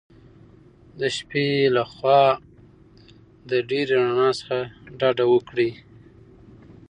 د شپې له خوا د ډېرې رڼا څخه ډډه وکړئ.